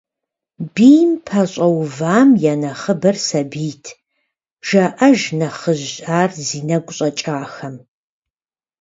Бийм пэщӏэувам я нэхъыбэр сабийт, – жаӏэж нэхъыжь ар зи нэгу щӏэкӏахэм.